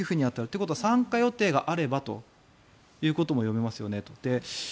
ということは参加予定があればということも読めますよねと。